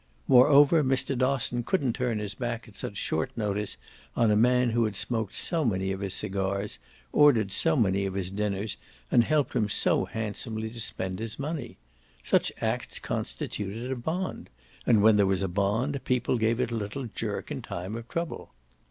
Moreover Mr. Dosson couldn't turn his back at such short notice on a man who had smoked so many of his cigars, ordered so many of his dinners and helped him so handsomely to spend his money: such acts constituted a bond, and when there was a bond people gave it a little jerk in time of trouble.